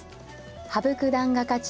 羽生九段が勝ち